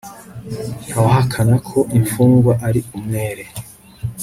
Ntawahakana ko imfungwa ari umwere